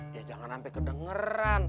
ya jangan sampe kedengeran